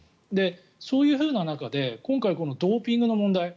そういうふうな中で今回、ドーピングの問題